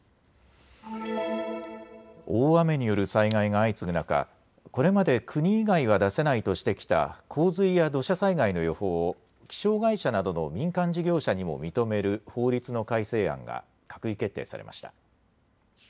大雨による災害が相次ぐ中、これまで国以外は出せないとしてきた洪水や土砂災害の予報を気象会社などの民間事業者にも認める法律の改正案が閣議決定されました。